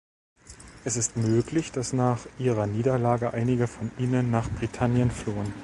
Es ist möglich, dass nach ihrer Niederlage einige von ihnen nach Britannien flohen.